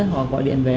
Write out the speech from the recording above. họ gọi điện về